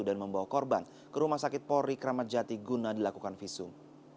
dan membawa korban ke rumah sakit polri kramatjati guna dilakukan visum